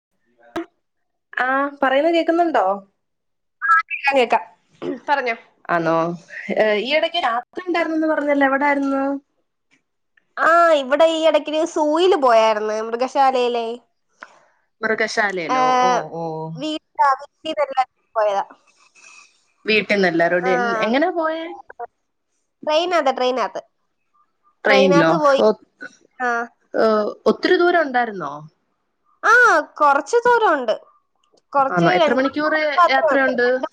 [inaudible] [unintelligible] ആഹ് പറയുന്നേ കേക്കുന്നുണ്ടോ ആഹ് കേക്കാം കേക്കാം പറഞ്ഞോ ആണോ ഈ ഈ ഇടക്ക് രാത്രി ഉണ്ടായിരുന്നെന്ന് പറഞ്ഞല്ലോ എവിടെയായിരുന്നു ആഹ് ഇവിടെ ഈ ഇടക്ക് സൂയിൽ പോയായിരുന്നു മൃഗശാലയിലെ മൃഗശാലയിലോ ഓ ഏഹ് ഓ വീട്ടാ [unintelligible] ബി ന്നെല്ലാരുടെ ആഹ് എങ്ങനെ പോയെ ട്രെയിനാത്ത് [inaudible] [unintelligible] [inaudible] ട്രെയിനിലോ ട്രെയിനാത്ത് പോയി ആഹ് ഓഹ് ഒത്തിരി ദൂരം ഉണ്ടായിരുന്നോ ആഹ് കുറച്ചു ദൂരംഉണ്ട് ആണോ കുറച്ചു എത്ര രണ്ട് മണിക്കൂർ യാത്ര ഉണ്ട് യാത്രയുണ്ട് രണ്ട്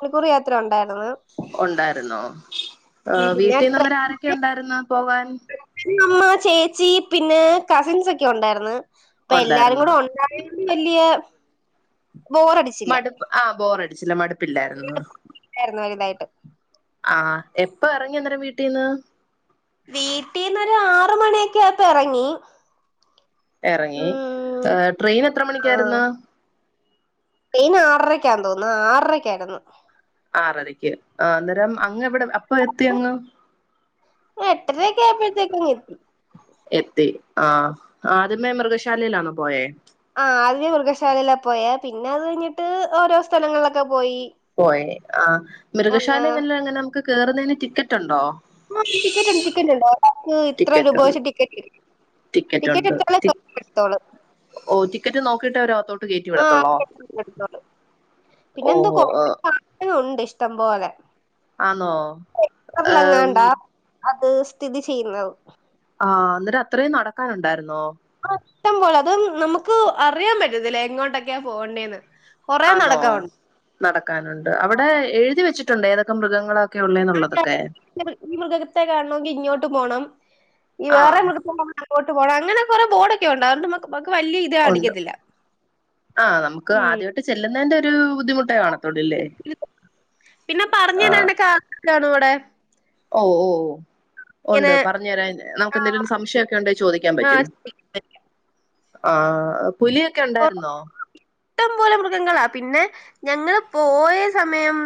മണിക്കൂർ യാത്ര ഉണ്ടായിരുന്നു ആഹ് പിന്നെ വീട്ടീന്ന് അന്നേരം ആരൊക്കെ ട്രെയിനില് ഉണ്ടായിരുന്ന് പോവാൻ അമ്മ ചേച്ചി പിന്നെ കസിൻസ് ഒക്കെ ഉണ്ടായിരുന്ന് അപ്പൊ എല്ലാരും ഉണ്ടായിരുന്നോ കൂടെ ഉണ്ടായപ്പോ [unintelligible] മടുപ്പ് ആഹ് ബോറടിച്ചില്ല മടുപ്പില്ലായിരുന്നു യിരുന്നു വലുതായിട്ട് ആഹ് എപ്പൊ എറങ്ങി അന്നെര വീട്ടീന്ന് വീട്ടീന്നൊര് ആറു മണിയെക്കെ ആപ്പ എറങ്ങി എറങ്ങി ഉം ഏ ട്രെയിന് എത്ര മണിക്കായിര്ന്ന് ന് ആറരക്കാ തോന്ന് ആറരക്കായിര്ന്ന് ആറരക്ക് അ അന്നെരം അങ്ങ് എവിടെ അ ഞാന് എട്ടരക്കെ ആയപ്പെഴത്തേക്ക് ങ്ങ് എത്തി. എത്തി ആ ആദ്യമേ മൃഗശാലേലാണൊ പോയേ ആ ആദ്യം മൃഗശാലെല പോയെ പിന്ന അത് കയ്ഞ്ഞിട്ട് ഓരോ സ്ഥലങ്ങളിലൊക്കെ പോയി പോയെ ആ ആഹ് മൃഗശാല ആഹ് എങ്ങല്ല എങ്ങന നമ്ക്ക് കേറുന്നെയ്ന് ടിക്കറ്റുണ്ടോ ഉം ടിക്കറ്റുണ്ട് ടിക്കറ്റുണ്ട് [unintelligible] ഇത്ര രൂപ വച്ച് ടിക്കറ്റ് ടിക്കറ്റ് ടിക്കറ്റുണ്ട് എടുത്താലേ ടി എടുത്തോളൂ ഓ ടിക്കറ്റ് നോക്കിട്ടവരെഅകത്തോ ആ [unintelligible] ഓ പിന്നെന്തോ കൊറേ [unintelligible] നു ഇഷ്ടം പോലെ ആന്നോ ഏം എങ്ങാണ്ടാ അത് സ്ഥിതി ചെയ്യുന്നത് ആ ന്നട്ട് അത്രെയും നടക്കാനുണ്ടാര്ന്നോ ആ ഷ്ട്ടം പോല അത് നമക്ക് അറിയാം പറ്റത്തില്ല എങ്ങോട്ടെക്ക്യാ പോവണ്ടേന്ന് ആന്നോ നടക്കാനുണ്ട് അവടെ എഴുതി വെച്ചി ട്ടുണ്ട് ഏതൊക്ക മൃഗങ്ങളാ [unintelligible] ഈ മൃഗത്തെ കാണ്ണോങ്കി ഇങ്യൊ ട്ട് പോണം ഈ ആ വേറെ മൃ [unintelligible] ട്ട് പോണം അങ്ങനെ കൊറെ ബോടൊക്കെ ഒണ്ട് അഓണ്ട് മ്മക്ക് [unintelligible] ഒണ്ട് ആഹ് നമുക്ക് ഉം ആദ്യയ്ട്ട് ചെല്ലുന്നെന്റെ റ്റേവു ദ്ധിമുട്ടേ കാണത്തൊള്ളു ല്ലേ ആഹ് [unintelligible] ണോ വ്ടെ ഓ ഓ ഓ ഒണ്ട് പറഞ്ഞെരാൻ നമുക്ക് ന്തെലും സംശയൊക്കെ ണ്ടെ ചോദിക്കാൻ ആ പറ്റും ആഹ് പുലിയൊക്കെ ഒണ്ടായിര്ന്നോ ട്ടം പോലെ മൃഗങ്ങളാ പിന്നെ ഞങ്ങള് പോയ സമയം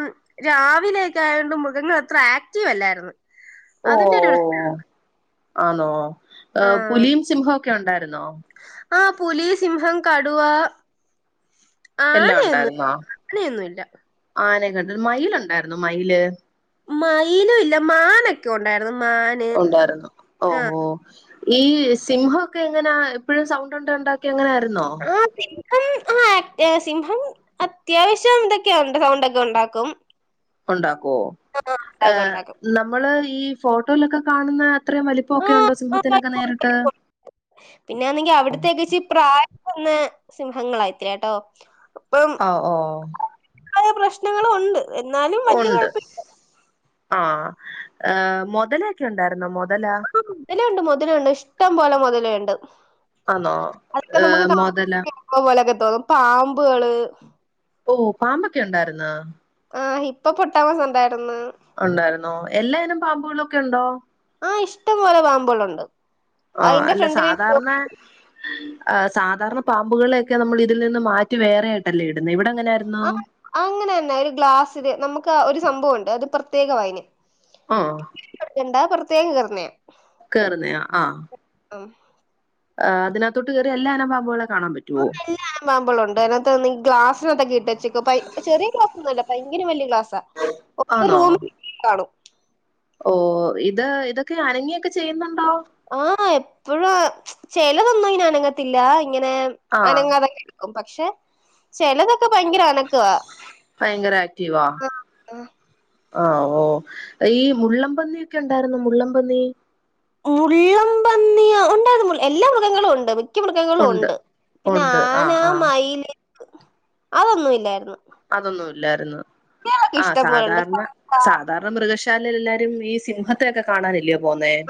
രാവിലെക്കെ ആയോണ്ട് മൃഗങ്ങൾ അത്ര ആക്റ്റീവല്ലാര്ന്ന് അതിന്റെ രു [inaudible] ആന്നോ [unintelligible] പുലിയും സിംഹൊക്കെ ഉണ്ടായിരുന്നോ ആ പുലീ സിംഹം കടുവാ എല്ലാം ആനയൊന്നും ഉണ്ടായിരുന്നോ ആനൊന്നുല്ല മയിൽ ഉണ്ടായിരുന്നു മയില് മൈയില് ഇല്ല മാനൊക്കെ ഉണ്ടായി ഉണ്ടായിരുന്നു ഓ ഹോ ഈ സിംഹം ഒക്കെ എങ്ങനെ എപ്പോഴും സൗവുണ്ട് ണ്ട് ഉണ്ടാക്കി അങ്ങനെ ആരുന്നോ ന്നോ ആഹ് സിംഹം അത്യാവശ്യം ഇതൊക്കെയ ഉണ്ട് സൗവുണ്ട് ഒക്കെ ഉണ്ടാക്കും ഉണ്ടാക്കും ഒ ആ, ഉണ്ടാക്കും ഹ് ഉണ്ടാക്കും നമ്മള് ഈ ഫോട്ടോയിലൊക്കെ കാണുന്ന അത്രയും വലിപ്പൊക്കെ ഉണ്ടോ സിംഹത്തിനൊക്കെ നേരിട്ട് പിന്നൊന്നെങ്കി സിംഹങ്ങളായിത്തില ട്ടോ ഓ ഓ ആദ്യ പ്രശ്നങ്ങളു ഉണ്ട് എന്നാലും വല്ല്യ കുഴപ്പമില്ല ആഹ് മുതലെക്കെ ഉണ്ടായിരുന്നൊ വെല ലുണ്ട് മൊതലെണ്ട് ഇഷ്ടം പോലെ മൊതെ ലെണ്ട് ആന്നോ ഏ മൊതല ഹൊ [unintelligible] പാമ്പേള് ഓ പാമ്പൊക്കെ ഉണ്ടായിര്ന്നൊ ആഹ് ഇപ്പ പൊട്ടാമസംന്തായ ഉണ്ടായിരന്നോ എല്ലായിനും പാമ്പുകളൊക്കെ ഉണ്ടോ ആഹ് ഇഷ്ടം പോലൊപാമ്പോളുണ്ട് ആഹ് അല്ല സാധാരെണ സാധാരണ പാമ്പുകളെയൊക്കെ നമ്മൾ ഇതിൽ നിന്ന് മാറ്റി വേറെയായിട്ടല്ലേ ഇ ആ അങ്ങനെന്നെ ഒരു ഗ്ലാസില് നമുക്ക് ക്കഒരു സംഭവുണ്ട് അത് പ്രത്യേക വായന് ആ എന്താ പുറത്ത് തേം കേറ്ന്നെ കേറുന്നയാ ആഹ് ആഹ് ആഹ് അതിനത്തോട്ട് കേറിയ എല്ലാരപാമ്പോ [unintelligible] പാമ്പെള്ണ്ട് അയ്നാത്ത് ഇ ഗ്ലാസി [unintelligible] തെങ്കിട്ട്ചക്ക പൈ ചെറ്യേയ ഗ്ലാസ്സൊന്നുല്ല ഭയങ്കര വല്ല്യ ഗ്ലാസ്സ് സ ഒക്ക റൂമിൽ [unintelligible] കാണും ഓഹ് ഇത് ഇതൊക്കെ അനങ്ങിയൊക്കെ ചെയ്യുന്ന ആഹ് എപ്പഴ [inaudible] ചെലതൊന്നും ഇനനങ്ങത്തില്ല ഇങ്ങനെ ആ അനങ്ങാതെ ക്കും പക്ഷെ ചെലത് ക്ക് ഭയങ്കര അനക്കവ ഭയങ്കര ആഹ് ഓഹ് ഈ മുള്ളൻ പന്നിയൊക്കെ ഒണ്ടായിരുന്നോ മുള്ളൻ പന്നി മുള്ളം പന്നിയോ ഒണ്ടായിരുന്നു എല്ലാ മൃഗങ്ങളും ഒണ്ട് മിക്ക മൃഗങ്ങളും ഉണ്ട് ഒണ്ട് പിന്നെ ഉണ്ട് ആ ആന ആ മയില്- അതൊന്നും ഇല്ലാരുന്നു അതൊന്നും ഇല്ലാരുന്നു ആഹ് ഇഷ്ടം പോലുണ്ട് സാധാരണ സാധാരണ മൃഗശ തന്നല്ലാ എല്ലാരും ഈ സിംഹത്തെക്കെഒക്കെ കാണാനല്ലയോ-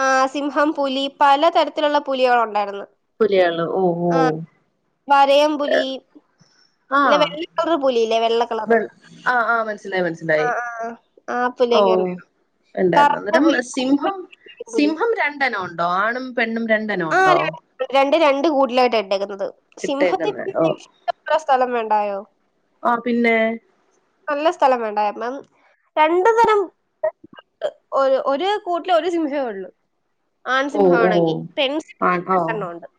ആഹ് സിംഹം, പുലി പല തരത്തിലുള്ള- പുലികൾ ഒണ്ടായിരുന്നു പുലികള് ഓഹ് ഓഹോ വരയൻപുലി ആഹ് വെ കളറ് ആഹ് ആഹ് മനസിലായി ആ മനസ്സിലായി ആ ആ പുലിയൊക്കെ ഓഹ് ഉണ്ട് ഇണ്ടാര്ന്ന് കറുത്ത അന്നേരം പുലി കരിമ്പുലി, സിംഹം സിംഹം രണ്ടന ഒണ്ടോ ആണും, പെണ്ണും രണ്ടെണ്ണം ഉണ്ടോ ആഹ് [unintelligible] രണ്ട് രണ്ട് കൂട്ടിലായിട്ടാ ഇട്ടേക്കുന്നത് സിംഹത്തി ഇട്ടേക്കുന്നെ [inaudible] വേണ്ടായോ ആഹ് പിന്നെ നല്ല സ്ഥലം വേണ്ടായെ [unintelligible] രണ്ടു തരം [unintelligible] ഒര് ഒരു കൂട്ടില് ഒരു സിംഹെ ഒള്ളു ഓഹ് ഓഹ് ആൺ ഓഹ് രണ്ടെണ്ണം ഉണ്ട്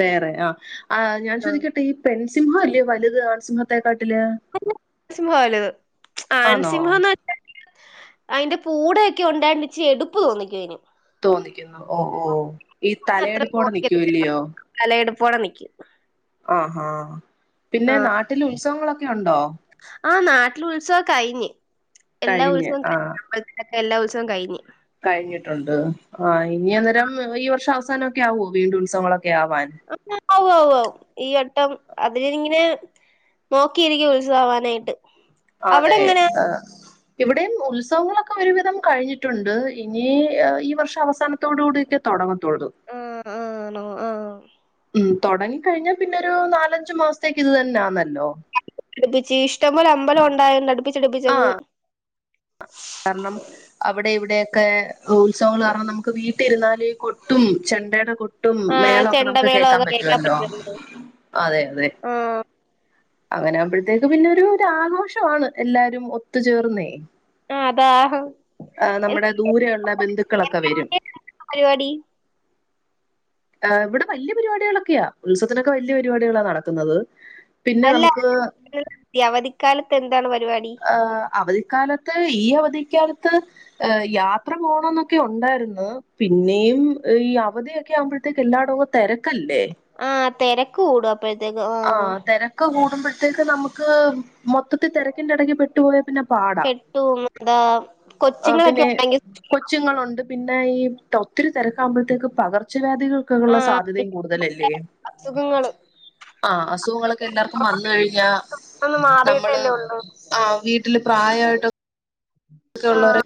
വേറെ അഹ് ആ ഞാൻ ആ ചോദിക്കട്ടെ ഈ പെൺ സിംഹല്ലേ വലുത് ആൺ സിംഹത്തെ [inaudible] വലുത് ആന്നോ ആൻസിംഹന്ന് വെച്ചാല് അയിന്റെ പൂടെയൊക്കെ ഉണ്ടായൊണ്ട് ഇച്ചി എടുപ്പ് തോന്നിക്കും അയിന് തോന്നിക്കുന്നു ഓ ഓ ഈ തലയെടുപ്പോടെ നിക്കൂല്ലയോ പുടെ നിക്കും അ ഹാ ആ പിന്നെ നാട്ടില് ഉത്സവങ്ങളൊക്കെ ഒക്കെ ഉണ്ടോ ആ നാട്ടില് ഉത്സവം കഴിഞ്ഞ് എല്ലാ കഴിഞ്ഞ് ഉത്സവവും ആ കയിഞ്ഞു അമ്പലത്തിന്റെ എല്ലാ ഉത്സവം കഴിഞ്ഞ് കഴിഞ്ഞിട്ടുണ്ട് ആ ഇനി അന്നേരം ഈ വർഷം അവസ വസാനം ഒക്കെ ആവോ വീണ്ടും ഉത്സവങ്ങളൊ ക്കെ ആവാൻ ട്ടം അതിന് ഇങ്ങനെ നോക്കിയിരിക്കും ഉത്സവാവാനായിട്ട് അവിടെ അതെ എങ്ങനാ ആ ഇവിടെയും ഉത്സവങ്ങളൊക്കെ ക്കെ ഒരുവിധം കഴിഞ്ഞിട്ടുണ്ട് ഇനി ഈ വർഷം അവസാനത്തോട് കൂടീട്ട് തൊടങ്ങ ത്തൊള്ളൂ ആ ആണോ ആ ഉം തൊടങ്ങി കഴിഞ്ഞാ പിന്നെരു നാലഞ്ച് മാസത്തേക്ക് ഇത് തന്നെയാന്നെ ഇഷ്ടം പോലെ അമ്പലം ഒ [unintelligible] ടുപ്പിച്ചടുപ്പിച്ചങ്ങ് കാരണം അവിടെ ഇവിടെ ക്കെ ഉത്സവം കാരണം നമുക്ക് വീട്ടിരുന്നാല് കൊട്ടും, ചെണ്ടയുടെ കൊട്ടും ആ മെളൊക്കെ നമുക്ക് ചെണ്ടമേളം കേൾക്കാൻ ഒക്കെ കേക്കാൻ പറ്റുവല്ലോ അതെ അതെ ആ അങ്ങനാവുമ്പോഴത്തേക്ക് പിന്നൊരു ഒരു ആഘോഷമാണ് എല്ലാരും ഒത്തുചേർന്നേ. ആ അതാ ആ നമ്മടെ ദൂരെ ഒള്ള ബന്ധുക്കളൊക്കെ വരും. എന്താണ് പരിപാടി ആ ഇവിടെ വല്യ പരിപാടികളൊക്കെയാ. ഉത്സവത്തിനൊക്കെ വല്യ പരിപാടികളാ നടക്കുന്നത്. പിന്നെ അല്ല നമുക്ക് ഈ അവധിക്കാലത്ത് എന്താണ് പരിപാടി ആഹ് അവധിക്കാലത്ത് ഈ അവധി ധികാലത്ത് യാത്ര പോണോന്നൊക്കെ ഒണ്ടായിരുന്നു. പിന്നെയും ഈ അവധിയൊക്കെ ആവുമ്പോഴ ത്തേക്ക് എല്ലാടോ അങ്ങ് തെരക്കല്ലേ? ആ തെരക്ക് കൂടും ആ തെരക്ക് കൂടുമ്പോഴ ത്തേക്ക് നമുക്ക് മൊത്തത്തി തെരക്കിന്റെടക്ക് പെട്ട് പോയാ പിന്നെ പാടാ പെട്ടുപോവും. എന്താ ആ, കൊച്ചുങ്ങളൊക്കെ പിന്നെ ഒണ്ടങ്കിൽ കൊച്ചുങ്ങളുണ്ട് പിന്നെ ഈ തൊത്തിരി തെരക്കാകുമ്പോഴത്തേക്ക് പകർച് ചവ്യാധികൾക്കൊക്കെ ആ ഒള്ള സാധ്യതയും ഇഷ്ടംപോലെ കൂടുതലല്ലേ? അസുഖങ്ങള് ആ അസുഖങ്ങളൊക്കെ എല്ലാവർക്കും വന്ന് കഴിഞ്ഞാ ഒന്ന് നമ്മള് മാറിയിട്ടല്ലേ ഉള്ളൂ ആ വീ വീട്ടില് പ്രായ ആയിട്ടോ ആ ഒക്കെയൊള്ളവര്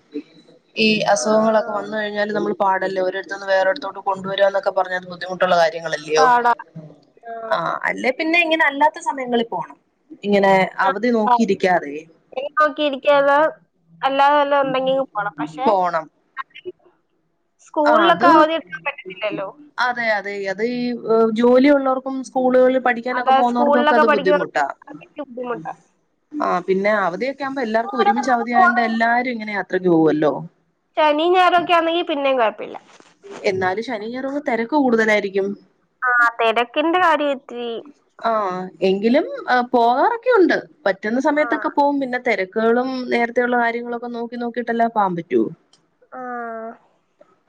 ഈ ആ ആ അസുഖങ്ങളൊക്കെ വന്ന കഴിഞ്ഞാല് നമ്മള് പാടല്ലേ. ഒരിടത്ത്ന്ന് വേറൊരിടത്തോട്ട് കൊണ്ടുവരുന്നൊക്കെ ക്ക പറഞ്ഞത് ബുദ്ധിമുട്ടുള്ള കാര്യങ്ങളല്ല്യയോ? പാടാ ആ അല്ലേ പിന്നെ ഇങ്ങനെ അല്ലാത്ത സമയങ്ങളിൽ പോണം. ഇങ്ങനെ ആ, അവധി ആ. നോക്കിയിരിക്കാതെ. അല്ലാത വല്ലോ ഉണ്ടെങ്കി പോണം. പക്ഷെ പോണം ആഹ് സ്കൂളിലൊക്ക അത് അവധി എട്ക്കാൻ പറ്റത്തില്ലല്ലോ. അതെ അതെ അത് ഈ ജോലി ഉള്ളോർക്കും സ്കൂളുകളി പഠിക്കാനൊക്കെ അതാ പോന്നവർക്കൊക്കെ സ്കൂളിലൊക്കെ അത് പഠിക്കുന്നവർക്ക് ബുദ്ധിമുട്ടാ അതൊക്കെ ബുദ്ധിമുട്ടാ ആ പിന്നാ അവധി ക്കെ ആവുമ്പ എല്ലാർക്കും ഒരുമിച്ച് അവധി ആയേണ്ട് എല്ലാരും ഇങ്ങനെയാ. കഴിഞ്ഞു പോവുല്ലോ ശനീം ഞായറും ഒക്കെ ആണെങ്കി പിന്നേം കൊഴപ്പ ഇല്ല. എന്നാലും ശനീം ഞായറും ഒക്കെ തെരക്ക് കൂടുതലായിരിക്കും. ആ തെരക്കിന്റെ കാര്യം ഇത്തിരി ഉം പോകാറൊക്കെ ഉണ്ട്. പറ്റുന്ന ആ സമയത്തൊക്ക പോവും പിന്നെ തെരക്കുകളും നേരത്തെയുള്ള കാര്യങ്ങളു ഒക്കെ നോക്കി നോക്കിട്ടല്ലെ പാവാൻ പറ്റൂ. ആ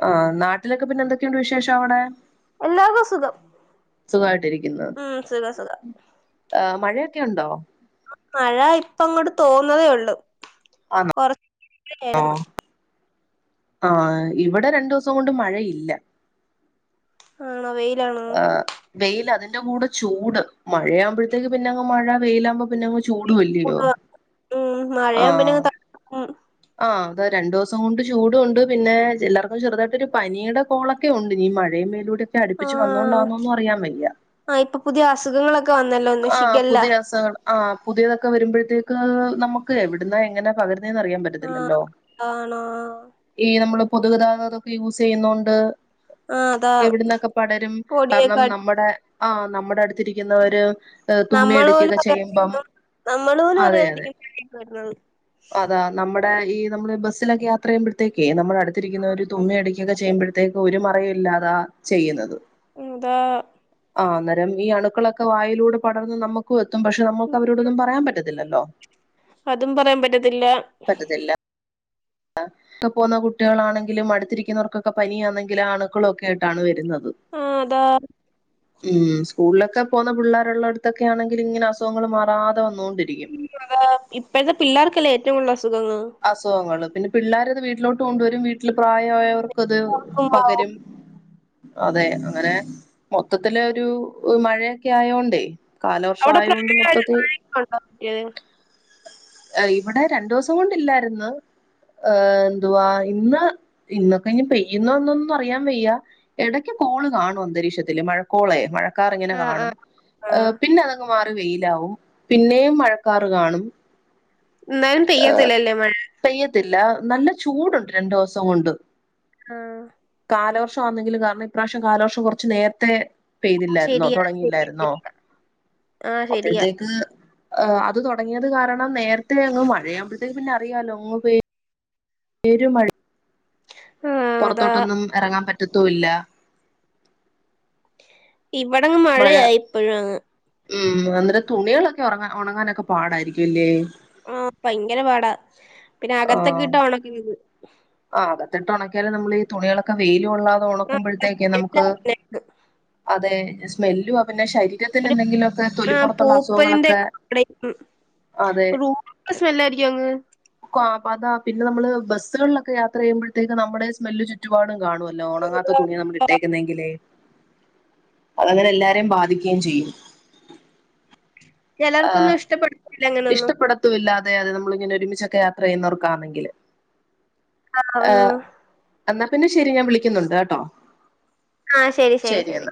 ആ നാ ട്ടിലൊക്കെ പിന്നെന്തൊക്കെയുണ്ട് വിശേഷവടെ എല്ലാർക്കും സുഖം സുഖയിട്ടിരി ഉം സുഖം സുഖം ആ മഴയെക്കെ ഒണ്ടോ മഴ ഇപ്പം അങ്ങട് തോന്നതേ ള്ളു കൊർ ആ [unintelligible] ആ ഇവടെ രണ്ടുസം കൊണ്ട് മഴയില്ല ആണോ വെ ആ വെയ്ല് അത് ൻ്റെ കൂടെ ചൂട് മഴയാവുമ്പഴത്തേക്ക് പിന്നങ്ങ് മഴ വെയിലാവുമ്പോ പിന്നെങ്ങ് ചൂടു ല്യോ ഉം ആ മഴയാവുമ്പോ പിന്നെ അങ്ങ് തണു ഉം ആ താ രണ്ടുസം കൊണ്ട് ചൂടു ണ്ട് പിന്നെ പില്ലറക്ക് ചെറുതായിട്ട് ഒരു പനിയുടെ കോളൊക്കെ ണ്ട് ഇനീ മഴയും വെയ്ലൂടെക്ക ആ ച്ചു വന്നൊണ്ടാണൊന്നും അറിയാം വയ്യ ആ ഇപ്പൊ പുതിയ അസുഖങ്ങളൊക്കെ വന്നല്ലോ ഒന്ന് ആ ഷിഗല്ല പുതിയ അസുഖങ്ങള് ആ പുതിയതൊക്കെ വരുമ്പഴത്തേ ക്ക് നമക്ക് എവട്ന്ന എങ്ങനെ പകര് ന്നേ നറിയാം ആ പറ്റത്തില്ലല്ലോ ആണോ ഈനമ്മള് പൊതുഗതാഗതൊക്കെ യൂസെയ്യുന്നോണ്ട് ആഹ് അതാ പൊടിയൊക്കെ കാരണം അടി നമ്മുടെ- ആ നമ്മുടെ അടുത്തിരിക്കുന്ന ഒരു- നമ്മൾ പോലും അറിയാതെ ഇരിക്കും നമ്മൾ പോലും അതെ അതെ അറിയാതിരിക്ക [unintelligible] ആ ഇ നമ്മള് ബസ്സിലൊക്കെ യാത്ര ചെയുമ്പഴത്തേക്ക് നമ്മള ടുത്തിരിക്കുന്നവര് തുമ്മയടക്കൊക്കെ ചെയുമ്പഴ് ത്തേക്ക് ഒരു മറയും ഇല്ലാതാ ചെയ്യുന്നത് [unintelligible] ആ അന്നേരം ഈ അണുക്കളൊക്കെ വായിലൂടെ പടർന്ന് നമുക്കും എത് ത്തും പക്ഷെ നമുക്ക് അവരോടൊന്നും പറയാൻ പറ്റത്തില്ലോ അതും പറയാൻ പറ്റത്തില്ല ഒക്കെ പോകുന്ന കുട്ടികളാണെങ്കിലും അടുത്തിരിക്കുന്നവർക്കൊക്കെ പനിയാന്നെങ്കിലും ആണുക്കളൊക്കെ ആയിട്ടാണ് വരുന്നത് ആ അതാ ഉം സ്കൂളിലൊക് ഒക്കെ പോന്ന പിള്ളേരുള്ള ഇടത്തൊക്കെ ആണെങ്കിലും ഇങ്ങനെ അസുഖങ്ങൾ മാറാതെ വന്നോ ഉം അതാ ഇപ്പഴത്തെ പിള്ളേർക്കല്ലേ ഏറ്റവും കൂടുതൽ അസുഖങ്ങൾ അസുഖങ്ങളും പിന്നെ പിള്ളേരത് വീട്ടിലോട്ട് കൊണ്ട് വരും വീട്ടിൽ പ്രായമായവർ ത് പകരും അതെ അങ്ങനെ മൊത്തത്തിലൊരു മഴയൊക്കെ ആയോണ്ടേ കാലവർഷം അവിടെ ആയോണ്ട് പ്രായ മൊത്തത്തിൽ [unintelligible] ആ ഇവിടെ രണ്ടു ദിവസം കൊണ്ട് ഇല്ലായിരുന്നു എം എന്തുവാ ഇന്ന് ഇന്നൊക്കെ ഇനി പെയ്യുന്നൊ എന്നൊന്നും അറിയാൻ വയ്യ ഇടയ്ക്ക് കോള് കാണും അന്തരീക്ഷത്തില് മഴക്കോളെ മഴ ഴക്കാർ ഇങ്ങനെ ആഹ് കാണും ആഹ് ആഹ് പിന്നെ അതങ്ങ് മാറി വെയിലാവും പിന്നെയും മഴക്കാറ് കാണും ന്നാലും പെയ്യത്തില്ലല്ലേ മഴ ല്ല നല്ല ചൂടുണ്ട് രണ്ടു ദിവസം കൊണ്ട് ആഹ് കാലവർഷം ആന്നെങ്കിലും കാരണം ഇപ്രാവശ്യം കാലവർഷം കുറച്ച് നേരത്തെ പെയ്തില്ലായിരുന്നോ ശരിയാ ശരിയാ തുടങ്ങിയില്ലായിരുന്നോ ശരിയാ ആഹ് ശരിയാ അപ്പഴത്തേക്ക് ആഹ് അത് തുടങ്ങിയത് കാരണം നേരത്തെ അങ്ങ് മഴ അറിയാലോ ഓവേ പെരു മഴയാ ആഹ് അതാ പുറത്തോട്ടൊന്നും എറങ്ങാൻ പറ്റ് റ്റത്തൂല്ല ഹ് ഇവിടങ്ങ് മഴയായി ഇപ്പോഴും അങ്ങ് ഉം അന്നേരം തുണികളൊക്കെ ഉറങ്ങാൻ ഉണങ്ങാനൊക്കെ പാടായിരിക്കുവല്ലേ ആഹ് ഭയങ്കര പാടാ പിന്നെ അകത്തൊക്കെ ആഹ് ഇട്ടാ ഒണക്കീത് അകത്തിട്ട് ഒണക്കിയാലും നമ്മൾ ഈ തുണികളൊക്കെ വെയ്ൽ ല് കൊള്ളാതെ ഉണക്കുമ്പോഴത്തേക്ക് നമുക്ക്, അഹ് അതെ സ്മെല്ലുവാ പിന്നെ ശ ഒരു ആഹ് പൂപൊലിന്റെയൊക്ക അതെ റൂം സ്മെല്ലായിരിക്കും അങ്ങ് അ അതാ പിന്നെ നമ്മള് ബസ്സുകളിലൊക്കെ ക്കെ യാത്ര ചെയുമ്പോഴത്തേക്ക് നമ്മുടെ സ്മെൽ ഒരുപാട് കാണുവല്ലോ ഉണങ്ങാത്ത തുണിയ നമ്മൾ ഇട്ടേക്കുന്നെങ്കിലേ അതങ്ങനെ എല്ലാരെയും ബാധിക്കുകയും ചെയ്യും ആ ചിലർക്കൊന്നും ഇഷ്ടപ്പെടത്തില്ല അങ്ങനൊന്നും ഇഷ്ടപ്പെടത്തുംല്ലാതെ അത് നമ്മളിങ്ങനെ ഒരുമിച്ചൊക്കെ യാത്ര ചെയ്യുന്നവർക്കാണെങ്കില് ആ ആഹ് പിന്നെ ശെരി ഞാൻ വിളിക്കുന്നുണ്ട് കേട്ടോ ആഹ ശരി ശരി ശരി